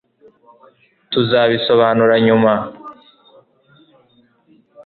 tuzabisobanura nyuma